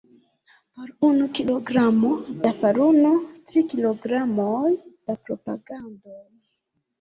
Por unu kilogramo da faruno, tri kilogramoj da propagando.